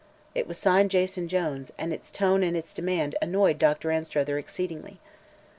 It was signed "Jason Jones" and its tone and its demand annoyed Dr. Anstruther exceedingly.